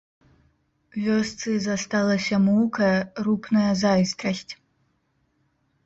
Вёсцы засталася мулкая, рупная зайздрасць.